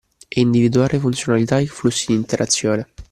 E individuare funzionalità e flussi di interazione